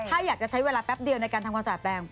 ถ้าอยากจะใช้เวลาแป๊บเดียวในการทำความสะอาดแปลง